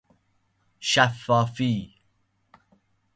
شفافی